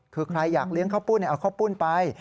คือใครอยากเลี้ยงข้าวปุ้นเอาข้าวปุ้นไป